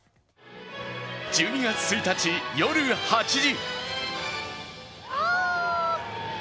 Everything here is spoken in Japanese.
１２月１日、夜８時。